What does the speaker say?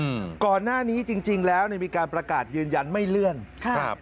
อืมก่อนหน้านี้จริงจริงแล้วเนี่ยมีการประกาศยืนยันไม่เลื่อนครับ